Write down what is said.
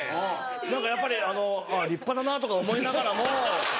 何かやっぱりあのあぁ立派だなとか思いながらも。